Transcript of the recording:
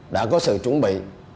đã có sự chuẩn bị